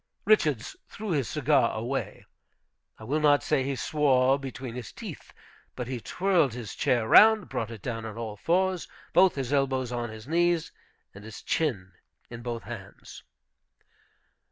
Richards threw his cigar away. I will not say he swore between his teeth, but he twirled his chair round, brought it down on all fours, both his elbows on his knees and his chin in both hands.